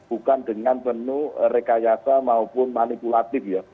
bukan dengan penuh rekayasa maupun manipulatif ya